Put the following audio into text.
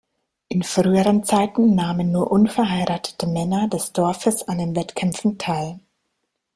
In früheren Zeiten nahmen nur unverheiratete Männer des Dorfes an den Wettkämpfen teil.